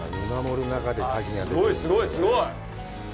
あっ、すごいすごいすごい。